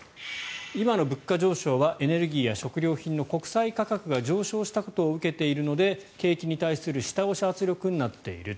今の物価上昇はエネルギーや食料品の国際価格が上昇したことを受けているので景気に対する下押し圧力になっている。